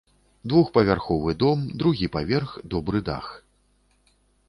Двухпавярховы дом, другі паверх, добры дах.